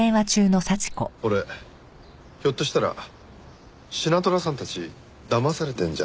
俺ひょっとしたらシナトラさんたち騙されてんじゃないかと。